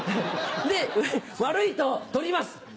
で悪いと取ります。